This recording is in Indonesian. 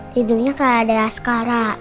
tidurnya gak ada askara